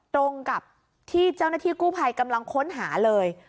ตรงกับที่เจ้าหน้าที่กู้ภัยกำลังค้นหาเลย